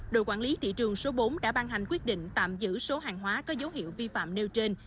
đội quản lý thị trường số bốn đã ban hành quyết định tạm giữ số hàng hóa có dấu hiệu vi phạm nêu trên